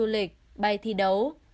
lịch bay thi đấu